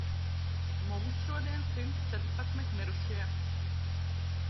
Mums šodien simt četrpadsmit mirušie.